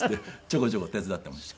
ちょこちょこ手伝っていました。